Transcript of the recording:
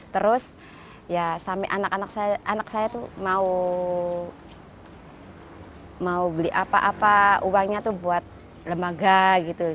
terus ya sampai anak anak saya tuh mau beli apa apa uangnya tuh buat lembaga gitu